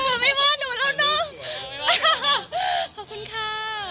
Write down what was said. ขอบคุณค่ะไม่ว่าหนูหล่ะเนาะ